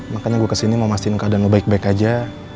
makanya gue ke sini mau mastiin keadaan lo baik baik aja